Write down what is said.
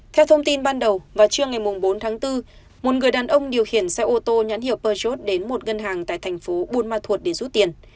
theo thông tin ban đầu vào trưa ngày bốn tháng bốn một người đàn ông điều khiển xe ô tô nhãn hiệu perjeot đến một ngân hàng tại thành phố buôn ma thuột để rút tiền